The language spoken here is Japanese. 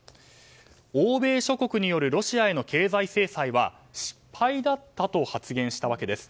欧米諸国によるロシアへの経済制裁は失敗だったと発言したわけです。